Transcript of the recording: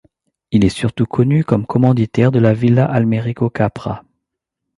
Il est surtout connu comme commanditaire de la Villa Almerico Capra.